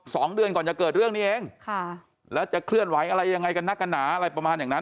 สองเดือนก่อนจะเกิดเรื่องนี้เองค่ะแล้วจะเคลื่อนไหวอะไรยังไงกันนักกันหนาอะไรประมาณอย่างนั้น